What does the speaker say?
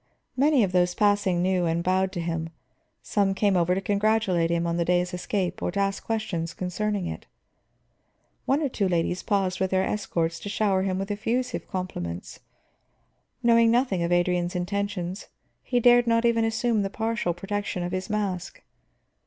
Many of those passing knew and bowed to him; some came over to congratulate him on the day's escape or to ask questions concerning it. One or two ladies paused with their escorts to shower him with effusive compliments. Knowing nothing of Adrian's intentions, he dared not even assume the partial protection of his mask.